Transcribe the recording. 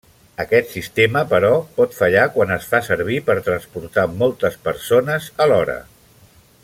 Aquest sistema, però, pot fallar quan es fa servir per transportar moltes persones alhora.